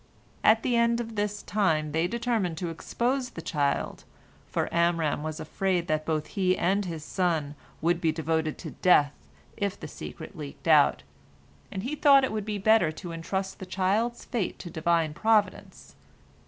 At the end of this time they determined to expose the child, for Amram was afraid that both he and his son would be devoted to death if the secret leaked out, and he thought it better to entrust the child's fate to Divine Providence.